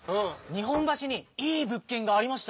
日本橋にいい物件がありましたよ。